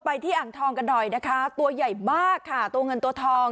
ที่อ่างทองกันหน่อยนะคะตัวใหญ่มากค่ะตัวเงินตัวทอง